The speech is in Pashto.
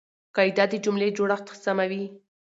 قاعده د جملې جوړښت سموي.